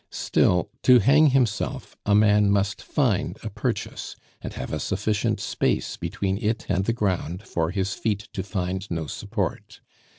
Still, to hang himself, a man must find a purchase, and have a sufficient space between it and the ground for his feet to find no support.